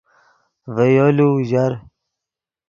ڤے یولو اوژر